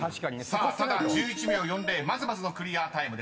［さあただ１１秒４０まずまずのクリアタイムです］